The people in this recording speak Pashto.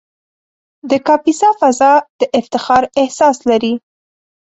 د کاپیسا فضا د افتخار احساس لري.